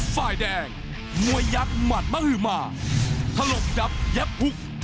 ฝ่ายแดงมวยักหมัดมหึมาถลบดับยับหุก